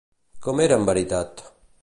Com era en veritat?